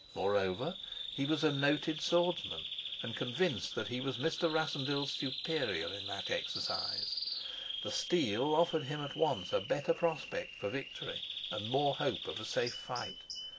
Moreover, he was a noted swordsman, and conceived that he was Mr. Rassendyll's superior in that exercise. The steel offered him at once a better prospect for victory and more hope of a safe fight.